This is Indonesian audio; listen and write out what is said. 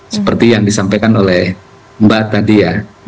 seperti yang disampaikan oleh mbak tadi ya